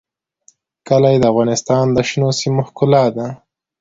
کلي د افغانستان د شنو سیمو ښکلا ده.